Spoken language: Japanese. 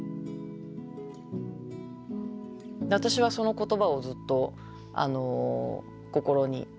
私はその言葉をずっと心に置きながら。